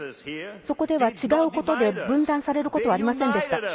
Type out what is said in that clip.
そこでは違うことで分断されることはありませんでした。